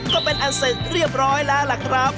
ก็เป็นอันเสร็จเรียบร้อยแล้วล่ะครับ